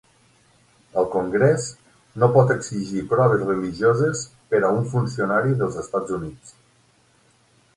El congrés no pot exigir proves religioses per a un funcionari dels Estats Units.